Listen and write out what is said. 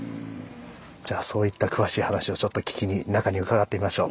じゃあそういった詳しい話を聞きに中に伺ってみましょう。